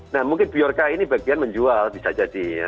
nah mungkin biorca ini bagian menjual bisa jadi ya